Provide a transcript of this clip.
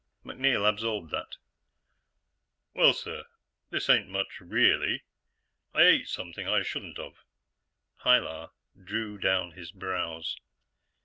MacNeil absorbed that "Well, sir, this ain't much, really I ate something I shouldn't of." Pilar drew down his brows.